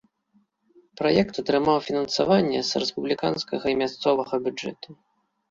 Праект атрымаў фінансаванне з рэспубліканскага і мясцовага бюджэту.